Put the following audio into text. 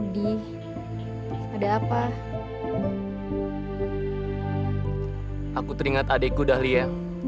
tapi ingat dahlia